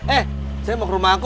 eh saya mau ke rumah aku